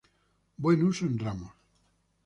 Buen uso en ramos.